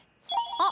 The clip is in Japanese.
あ！